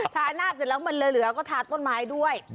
ทาหน้าเสร็จแล้วมันเหลือก็ทาต้นไม้ด้วย